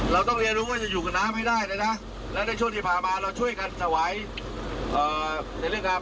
แต่ที่เรียกเสียงฮือหาจากชาวบ้าเป็นระยะแต่ไม่ใช่มาตรการช่วยเหลือช่วงน้ำท่วม